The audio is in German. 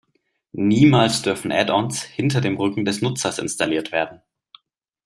Niemals dürfen Add-ons hinter dem Rücken des Nutzers installiert werden.